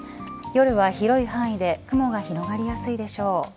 夜は広い範囲で雲が広がりやすいでしょう。